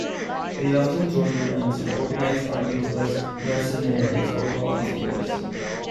They often joined the ranks of organized armies as mercenaries or volunteers.